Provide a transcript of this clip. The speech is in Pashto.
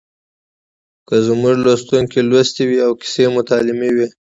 که زموږ لوستونکي لوستې وي او کیسه مو تعلیمي وي